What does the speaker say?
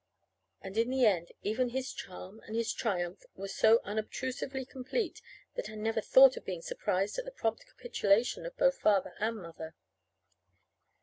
And in the end, even his charm and his triumph were so unobtrusively complete that I never thought of being surprised at the prompt capitulation of both Father and Mother.